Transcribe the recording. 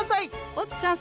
おっちゃん